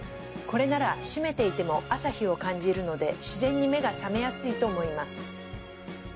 これなら閉めていても朝日を感じるのでしぜんに目が覚めやすいと思います。